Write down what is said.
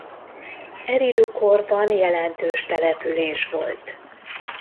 Eridu-korban jelentős település volt.